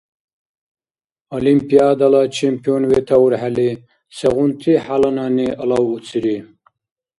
Олимпиадала чемпион ветаурхӀели, сегъунти хӀяланани алавуцири?